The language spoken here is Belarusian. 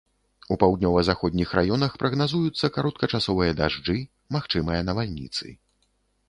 У паўднёва-заходніх раёнах прагназуюцца кароткачасовыя дажджы, магчымыя навальніцы.